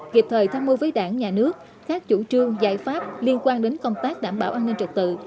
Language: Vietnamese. kịp thời tham mưu với đảng nhà nước các chủ trương giải pháp liên quan đến công tác đảm bảo an ninh trật tự